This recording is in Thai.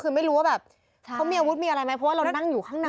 คือไม่รู้ว่าแบบเขามีอาวุธมีอะไรไหมเพราะว่าเรานั่งอยู่ข้างใน